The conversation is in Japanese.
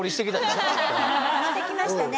してきましたね。